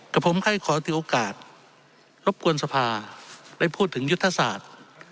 กับผมให้ขอถือโอกาสรบกวนสภาได้พูดถึงยุทธศาสตร์